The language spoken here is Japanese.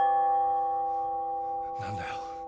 何だよ？